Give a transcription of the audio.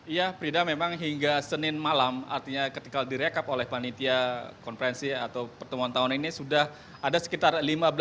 iya prida memang hingga senin malam artinya ketika direkap oleh panitia konferensi atau pertemuan tahun ini sudah ada sekitar